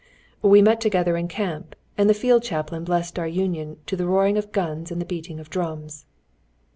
"We met together in camp, and the field chaplain blessed our union to the roaring of guns and the beating of drums."